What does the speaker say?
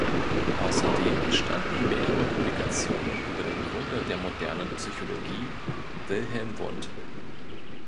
Außerdem entstanden mehrere Publikationen über den Gründer der modernen Psychologie Wilhelm Wundt.